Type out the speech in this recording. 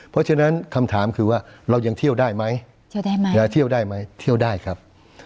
เพราะฉะนั้นคำถามคือว่าเรายังเที่ยวได้ไหมเที่ยวได้ครับ